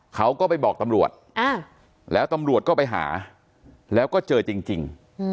เขาก็ไปบอกตำรวจแล้วตำรวจก็ไปหาแล้วก็เจอจริง